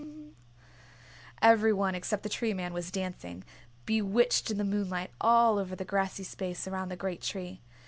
Every one except the Tree Man was dancing, bewitched in the moonlight, all over the grassy space around the great tree.